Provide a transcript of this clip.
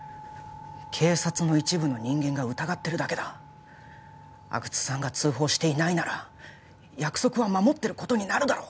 警察の一部の人間が疑ってるだけだ阿久津さんが通報していないなら約束は守ってることになるだろう？